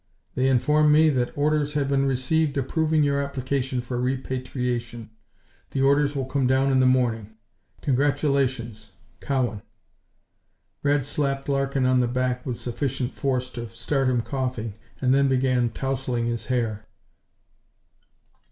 They inform me that orders have been received approving your application for repatriation. The order will come down in the morning. Congratulations. Cowan." Red slapped Larkin on the back with sufficient force to start him coughing and then began tousling his hair.